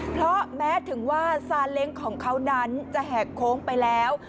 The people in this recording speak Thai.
เพราะแม้ถึงว่าซาเล้งของเขานั้นจะแหกโค้งไปแล้ว